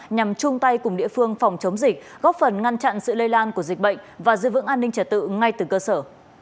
nhằm chung tay cùng địa phương phòng chống dịch góp phần ngăn chặn sự lây lan của dịch bệnh và giữ vững an ninh trả tự ngay từ cơ sở